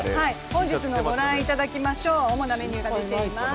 本日もご覧いただきましょう、主なメニューです。